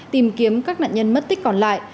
tìm kiếm các nạn nhân mất tích còn lại